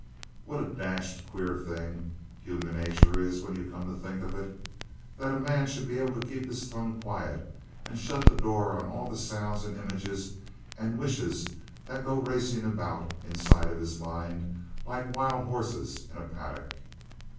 What a dashed queer thing human nature is when you come to think of it. That a man should be able to keep his tongue quiet, and shut the door on all the sounds and images and wishes that goes racing about inside of his mind like wild horses in a paddock!